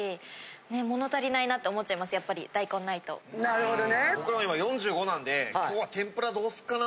なるほどね。